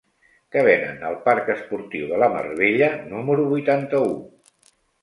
Què venen al parc Esportiu de la Mar Bella número vuitanta-u?